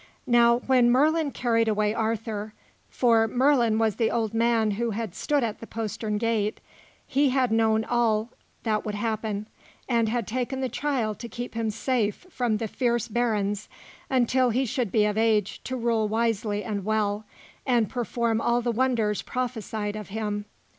Now when Merlin carried away Arthur for Merlin was the old man who had stood at the postern gate he had known all that would happen, and had taken the child to keep him safe from the fierce barons until he should be of age to rule wisely and well, and perform all the wonders prophesied of him.